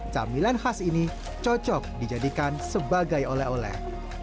camilan khas ini cocok dijadikan sebagai oleh oleh